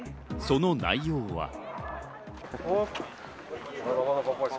その内容は。